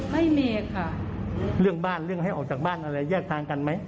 ไม่มีค่ะเรื่องบ้านเรื่องให้ออกจากบ้านอะไรแยกทางกันไหม